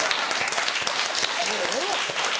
もうええわ。